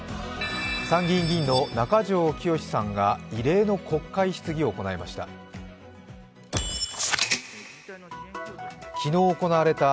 参議院議員の中条きよしさんが異例の国会質疑を行いました。